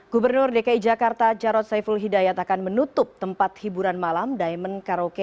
gubernur dki jakarta jarod saiful hidayat akan menutup tempat hiburan malam diamond karaoke